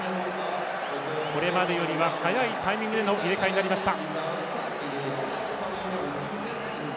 これまでよりは早いタイミングでの入れ替えになりました。